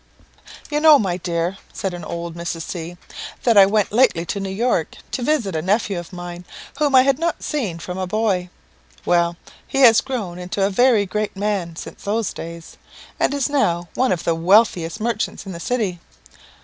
"You know, my dear," said old Mrs. C , "that I went lately to New York to visit a nephew of mine, whom I had not seen from a boy. Well, he has grown a very great man since those days, and is now one of the wealthiest merchants in the city.